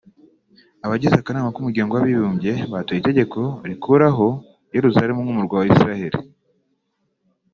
Abagize akanama k’umuryango w’abibumbye batoye itegeko rikuraho Yeruzalemu nk’umurwa wa Isiraheli